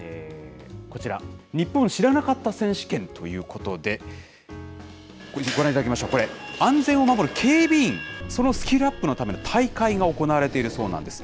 こちら、ニッポン知らなかった選手権ということで、ご覧いただきましょう、これ、安全を守る警備員、そのスキルアップのための大会が行われているそうなんです。